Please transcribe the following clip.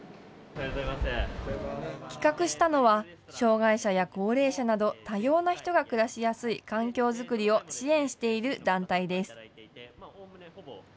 企画したのは、障害者や高齢者など多様な人が暮らしやすい環境づくりを支援している団体です。